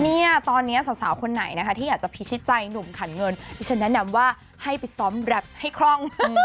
เนี่ยตอนนี้สาวคนไหนนะคะที่อยากจะพิชิตใจหนุ่มขันเงินดิฉันแนะนำว่าให้ไปซ้อมแรปให้คล่อง